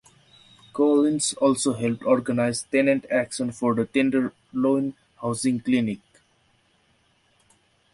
Collins also helped organize tenant action for the Tenderloin Housing Clinic.